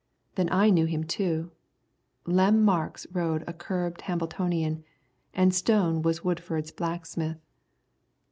Then I knew him too. Lem Marks rode a curbed Hambletonian, and Stone was Woodford's blacksmith.